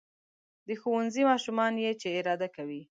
• د ښوونځي ماشومان یې چې اداره کوي.